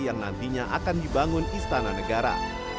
yang nantinya akan dibangun istana negara